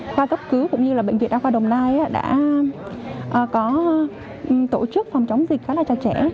khoa cấp cứu cũng như là bệnh viện đa khoa đồng nai đã có tổ chức phòng chống dịch khá là cho trẻ